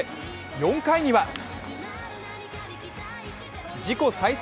４回には自己最速